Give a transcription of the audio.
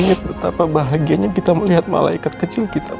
ingat betapa bahagianya kita melihat malaikat kecil kita wak